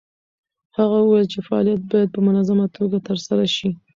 هغه وویل چې فعالیت باید په منظمه توګه ترسره شي.